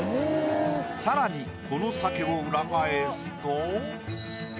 更にこの鮭を裏返すと。